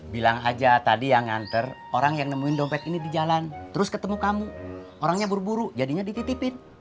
bilang aja tadi yang nganter orang yang nemuin dompet ini di jalan terus ketemu kamu orangnya buru buru jadinya dititipin